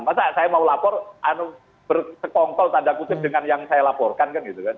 masa saya mau lapor bersekongkol tanda kutip dengan yang saya laporkan kan gitu kan